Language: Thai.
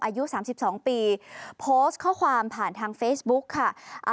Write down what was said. อายุ๓๒ปีโพสต์ข้อความผ่านทางเฟซบุ๊กค่ะ